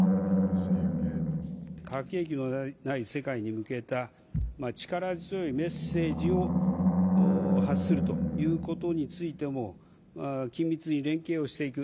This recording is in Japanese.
核兵器のない世界に向けた力強いメッセージを発するということについても緊密に連携をしていく。